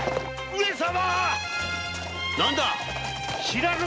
上様！